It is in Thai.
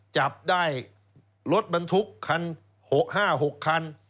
จับได้รถบรรทุกคัน๕๖คัน